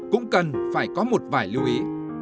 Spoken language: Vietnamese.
cũng cần phải có một vài lưu ý